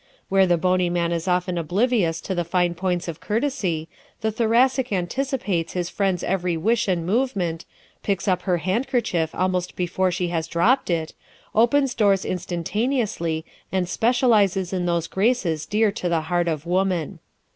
Where the bony man is often oblivious to the fine points of courtesy, the Thoracic anticipates his friend's every wish and movement, picks up her handkerchief almost before she has dropped it, opens doors instantaneously and specializes in those graces dear to the heart of woman.